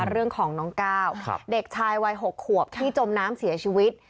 เรื่องของน้องก้าวเด็กชายวัย๖ขวบที่จมน้ำเสียชีวิต